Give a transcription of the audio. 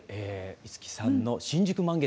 五木さんの「新宿満月」